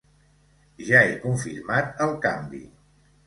Ja he confirmat el canvi.